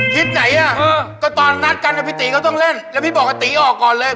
ไหนอ่ะก็ตอนนัดกันนะพี่ตีเขาต้องเล่นแล้วพี่บอกว่าตีออกก่อนเลย